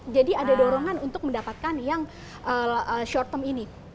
jadi ada dorongan untuk mendapatkan yang short term ini